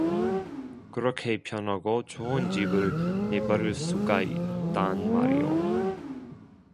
그렇게 편하고 좋은 집을 내버릴 수가 있단 말이요.